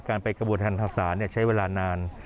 การไปกระบวนทางศาลใช้เวลานาน